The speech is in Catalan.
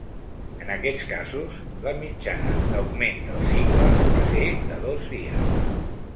En aquests casos, la mitjana d’augment del cicle va ser de dos dies.